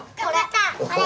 これ。